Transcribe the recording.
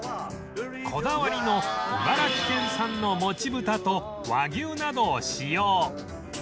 こだわりの茨城県産のもち豚と和牛などを使用